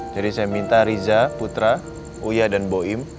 jadi saya minta riza putra uya dan boim